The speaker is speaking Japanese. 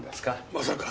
まさか。